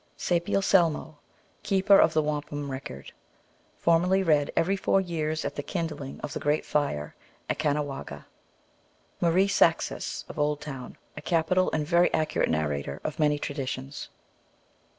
Sapiel Selmo, keeper of the Wampum Record, formerly read every four years at the kindling of the great fire at Canawagha. Marie Saksis, of Oldtown, a capital and very accurate narrator of many traditions.